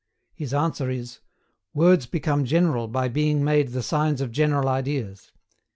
His answer is: "Words become general by being made the signs of general ideas."